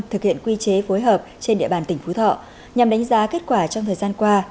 thực hiện quy chế phối hợp trên địa bàn tỉnh phú thọ nhằm đánh giá kết quả trong thời gian qua